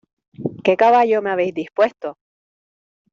¿ qué caballo me habéis dispuesto?